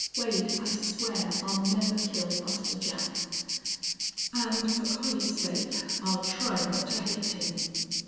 Wade, I swear I'll never kill Buster Jack. And for Collie's sake I'll try not to hate him."